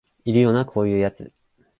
いるよなこういうやつ